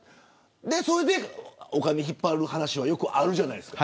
それでお金を引っ張る話はよくあるじゃないですか。